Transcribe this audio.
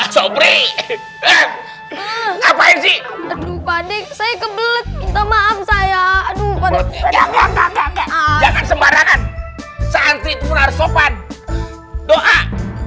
sopri ngapain sih aduh padek saya kebelet minta maaf saya aduh